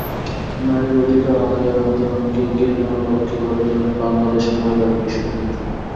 নারীর অধিকার আদায়ের আন্দোলনকে এগিয়ে নেওয়ার লক্ষ্যে গড়ে তোলেন বাংলাদেশ মহিলা পরিষদ।